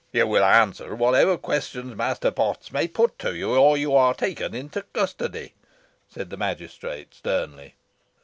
"You will answer whatever questions Master Potts may put to you, or you are taken into custody," said the magistrate, sternly.